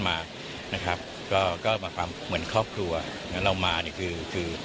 มานะครับก็ก็มาความเหมือนครอบครัวนะเรามานี่คือคือ